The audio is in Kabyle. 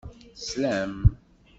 Teslam.